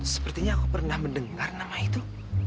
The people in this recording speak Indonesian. sepertinya aku pernah mendengar nama itu